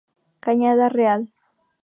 Cañada Real.